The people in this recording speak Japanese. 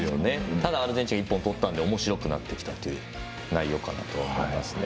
ただ、アルゼンチンが１本取ったのでおもしろくなってきたという内容かなと思いますね。